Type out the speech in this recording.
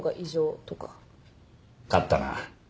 勝ったな。